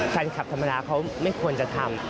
แฟนคลับธรรมดาเขาไม่ควรจะทำ